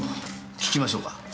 訊きましょうか？